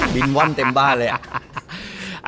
วิ่นว่นเต็มบ้านเลยอะ